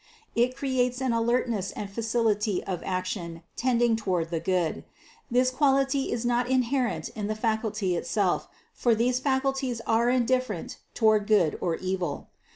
It creates an alertness and facility of action tending toward the good ; this quality is not inherent in the faculty itself, for these faculties are indifferent toward good or evil.